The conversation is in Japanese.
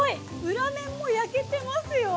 裏面も焼けてますよ。